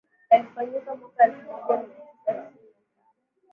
yalifanyika mwaka elfu moja mia tisa tisini na tano